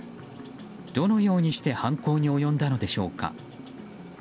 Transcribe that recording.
どのようにして犯行に及んだのでしょうか。